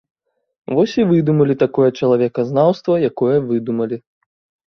Вось і выдумалі такое чалавеказнаўства, якое выдумалі.